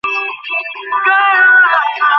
সে তোমাকে প্রথমে মারিতে আসিয়াছিল?